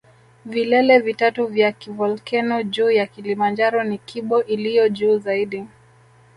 Vilele vitatu vya kivolkeno juu ya Kilimanjaro ni Kibo iliyo juu zaidi